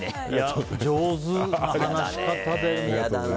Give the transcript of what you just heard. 上手な話し方で。